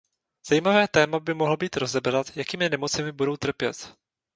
Zajímavé téma by mohlo být rozebrat jakými nemocemi budou trpět.